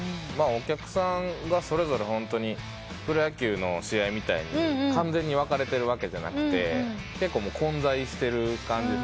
お客さんがそれぞれホントにプロ野球の試合みたいに完全に分かれてるわけじゃなくて結構混在してる感じ。